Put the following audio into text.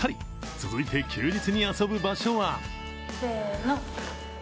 続いて、休日に遊ぶ場所は？